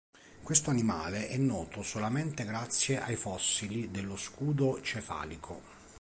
Questo animale è noto solamente grazie ai fossili dello scudo cefalico.